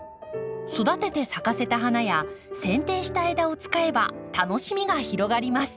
育てて咲かせた花やせん定した枝を使えば楽しみが広がります。